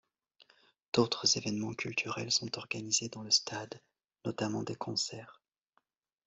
D'autres événements culturels sont organisés dans le stade notamment des concerts.